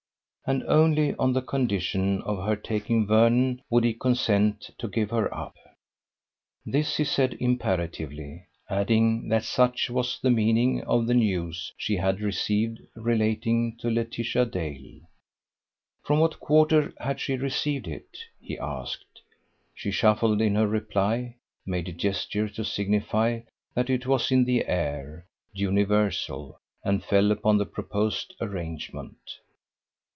And only on the condition of her taking Vernon would he consent to give her up. This he said imperatively, adding that such was the meaning of the news she had received relating to Laetitia Dale. From what quarter had she received it? he asked. She shuffled in her reply, made a gesture to signify that it was in the air, universal, and fell upon the proposed arrangement.